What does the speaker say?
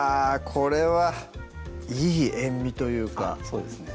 これはいい塩味というかそうですね